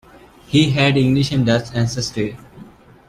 He had English and Dutch ancestry.